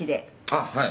「あっはい」